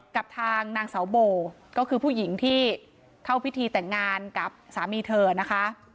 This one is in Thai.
กับทางนางเสาโบก็คือผู้หญิงที่เข้าพิธีแต่งงานกับสามีเธอนะคะ